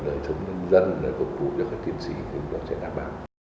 đời sống nhân dân đời phục vụ cho các tiến sĩ chúng tôi sẽ đảm bảo